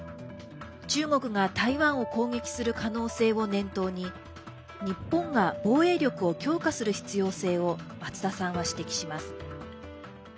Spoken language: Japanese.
中国が台湾を攻撃する可能性を念頭に日本が防衛力を強化する必要性を松田さんは指摘します。